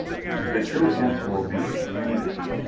The true answer will be, to neither.